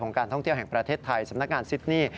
การท่องเที่ยวแห่งประเทศไทยสำนักงานซิดนี่